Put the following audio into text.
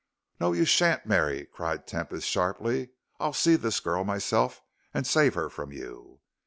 "No, you sha'n't marry," cried Tempest, sharply; "I'll see this girl myself and save her from you."